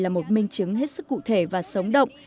là một minh chứng hết sức cụ thể và sống động